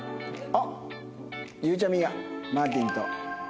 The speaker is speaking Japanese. あっゆうちゃみがマーティンと。